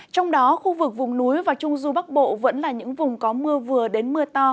trong đó khu vực vùng núi và trung du bắc bộ vẫn là những vùng có mưa vừa đến mưa to